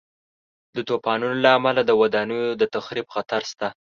د طوفانونو له امله د ودانیو د تخریب خطر شته.